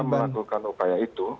kita sudah melakukan upaya itu